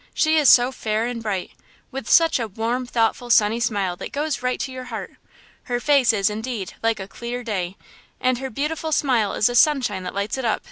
She is so fair and bright! with such a warm, thoughtful, sunny smile that goes right to your heart! Her face is, indeed, like a clear day, and her beautiful smile is the sunshine that lights it up!"